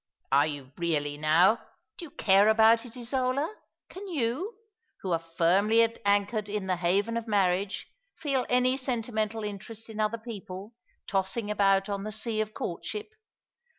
"Are you really, now? Do you care about it, Isola? Can you, who are firmly anchored in the haven of marriage, feel any sentimental interest in other people, tossing about on the sea of courtship?